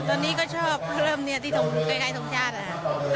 ตอนนี้ก็ชอบเริ่มเนื้อที่ตรงใกล้ตรงชาติ